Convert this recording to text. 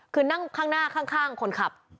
คือนั่งข้างหน้าข้างคนขับ